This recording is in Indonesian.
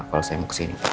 kalau saya mau ke sini